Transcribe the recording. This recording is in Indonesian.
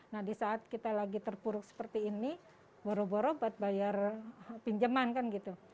nah di saat kita lagi terpuruk seperti ini boro boro buat bayar pinjaman kan gitu